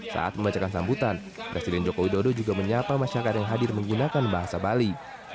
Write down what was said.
saat membacakan sambutan presiden joko widodo juga menyapa masyarakat yang hadir menggunakan bahasa bali